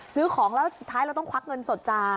ซื้อของแล้วสุดท้ายเราต้องควักเงินสดจ้า